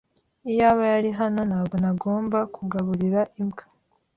Iyaba yari hano, ntabwo nagomba kugaburira imbwa.